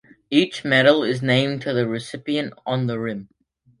Each medal is named to the recipient on the rim.